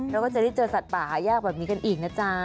เราก็จะได้เจอสัตว์ป่าหายากแบบนี้กันอีกนะจ๊ะ